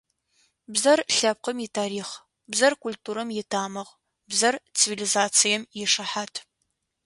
Бзэр – лъэпкъым итарихъ, бзэр культурэм итамыгъ, бзэр цивилизацием ишыхьат.